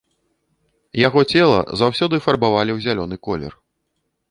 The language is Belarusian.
Яго цела заўсёды фарбавалі ў зялёны колер.